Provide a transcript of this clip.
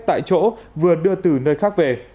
tại chỗ vừa đưa từ nơi khác về